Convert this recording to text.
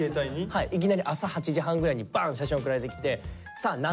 はいいきなり朝８時半ぐらいにバーン写真送られてきてえ？